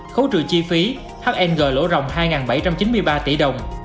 khấu trừ chi phí hng lỗ rộng hai bảy trăm chín mươi ba tỷ đồng